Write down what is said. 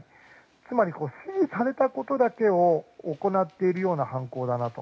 つまり、指示されたことだけを行っているような犯行だなと。